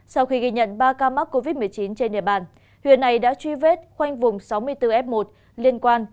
sau khi ghi nhận ba ca mắc covid một mươi chín trên địa bàn huyện này đã truy vết khoanh vùng sáu mươi bốn f một liên quan